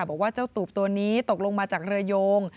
บอกว่าเจ้าตูบตัวนี้ตกลงมาจากเรือโยง